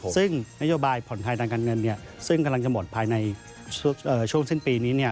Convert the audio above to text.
ซึ่งนโยบายผ่อนคลายทางการเงินซึ่งกำลังจะหมดภายในช่วงสิ้นปีนี้